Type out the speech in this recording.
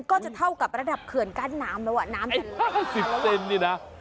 ก็จะเท่ากับระดับเขื่อนกั้นน้ำแล้วอ่ะน้ำจะ๕๐เซนนี่นะ